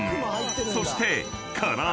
［そして］